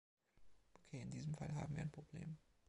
Ok, in diesem Fall haben wir ein Problem.